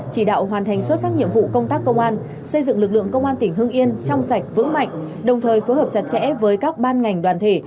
chỉ đạo hoàn thành xuất sắc nhiệm vụ công tác công an xây dựng lực lượng công an tỉnh hưng yên trong sạch vững mạnh đồng thời phối hợp chặt chẽ với các ban ngành đoàn thể